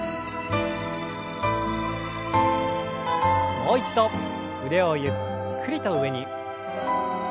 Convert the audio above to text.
もう一度腕をゆっくりと上に。